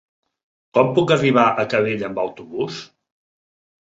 Com puc arribar a Calella amb autobús?